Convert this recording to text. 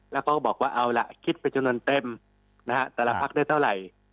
แล้วเขาก็บอกว่าเอาล่ะคิดไปจนเต็มแต่ละพักได้เท่าไหร่